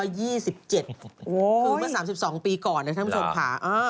โอ้โฮคือเมื่อ๓๒ปีก่อนในธรรมศพหา